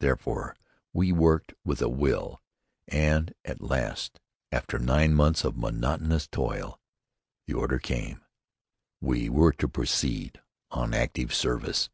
Therefore we worked with a will, and at last, after nine months of monotonous toil, the order came. We were to proceed on active service.